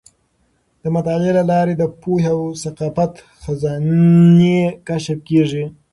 د مطالعې له لارې د پوهې او ثقافت خزانې کشف کیږي.